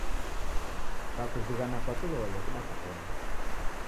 Kakuzighana kwa kilole kudakuw'ona